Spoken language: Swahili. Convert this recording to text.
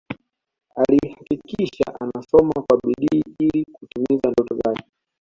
Alihakikisha anasoma kwa bidii ili kutimiza ndoto zake